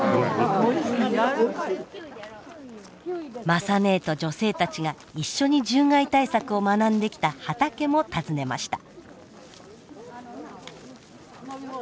雅ねえと女性たちが一緒に獣害対策を学んできた畑も訪ねました。